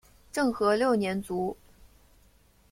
政和六年卒。